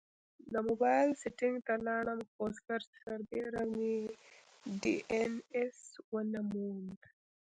د مبایل سیټینګ ته لاړم، خو سرچ سربیره مې ډي این ایس ونه موند